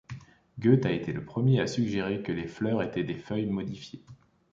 Goethe a été le premier à suggérer que les fleurs étaient des feuilles modifiées.